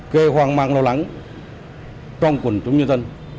gây hoang mang lo lắng trong quần chúng nhân dân